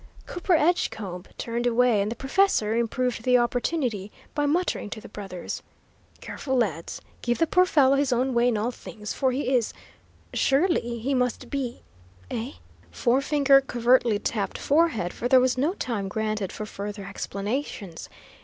Cooper Edgecombe turned away, and the professor improved the opportunity by muttering to the brothers: "Careful, lads. Give the poor fellow his own way in all things, for he is he surely must be eh?" Forefinger covertly tapped forehead, for there was no time granted for further explanations.